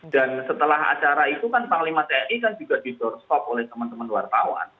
dan setelah acara itu kan panglima tni juga didoreskop oleh teman teman luar tawar